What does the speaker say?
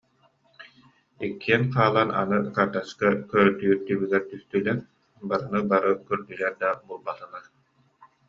Иккиэн хаалан аны карточка көрдүүр түбүгэр түстүлэр, барыны бары көрдүлэр да, булбатылар